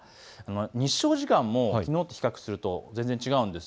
日照時間もきのうと比較すると全然違うんです。